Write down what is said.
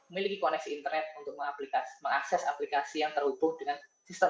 milik koneksi internet untuk mengakses aplikasi yang terhubung dengan sistem